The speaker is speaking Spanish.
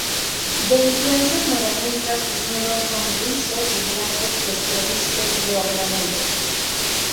De influencias modernistas, sus muros son lisos y blancos desprovistos de ornamentos.